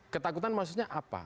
ketakutan maksudnya apa